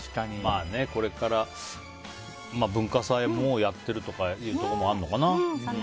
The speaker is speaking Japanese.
これから文化祭、もうやってるっていうところもあるのかな。